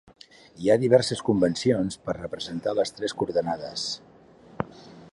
Hi ha diverses convencions per a representar les tres coordenades.